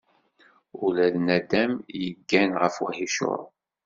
Ula d nadam yeggan ɣef uhicur.